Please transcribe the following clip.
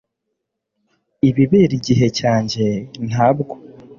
ibibera igihe cyanjye ntabwo